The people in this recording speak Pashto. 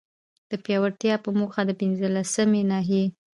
د پياوړتيا په موخه، د پنځلسمي ناحيي